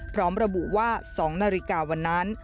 พร้อมระบุว่า๒นาฬิกาวันนั้น